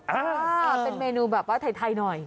อ่าเป็นเมนูแบบว่าไทยหน่อย